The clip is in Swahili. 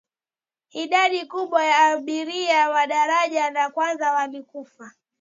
idadi kubwa ya abiria wa daraja la kwanza walikufa